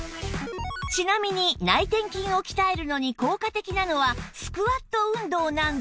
ちなみに内転筋を鍛えるのに効果的なのはスクワット運動なんですが